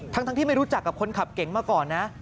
ทั้งที่ไม่รู้จักกับคนขับเก๋งมาก่อนนะ